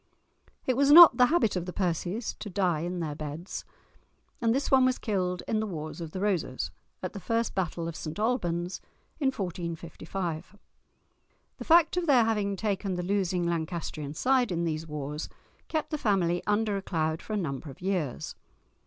It was not the habit of the Percies to die in their beds, and this one was killed in the Wars of the Roses, at the first battle of St Albans, in 1455. The fact of their having taken the losing Lancastrian side in these wars kept the family under a cloud for a number of years.